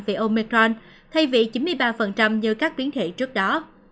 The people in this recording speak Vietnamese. vì omicron thay vì chín mươi ba như các biến thể trước đó